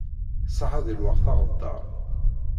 Ṣaḥḥa di lweqt aɣeddar.